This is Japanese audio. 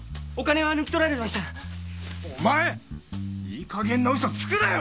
いいかげんな嘘つくなよ！